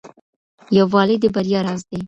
يووالی د بريا راز دی.